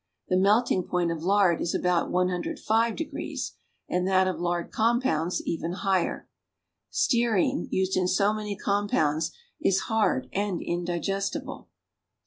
The melting point of lard is about 10.5 degrees and that of lard com]:)ounds even higher. Stearine, used in so many compounds, is hard and indigestible.